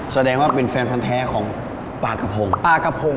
สแดงว่าเป็นแฟนทวนแท้ของปลากระพง